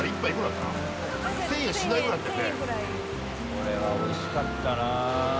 これはおいしかったな。